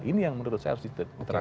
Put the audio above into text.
ini yang menurut saya harus diterapkan